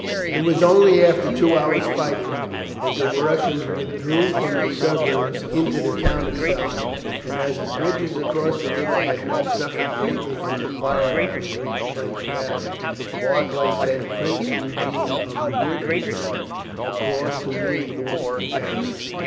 ] It was only after two hours' fighting that the Russians withdrew from the suburbs into the town itself, and as the bridges across the river had not suffered greatly from the fire of the great French battery, Barclay sent Prince Eugene of Wurtemberg across to reinforce the garrison.